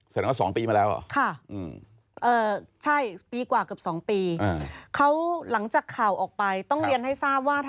สมมติว่า๒ปีมาแล้วเหรอค่ะอืม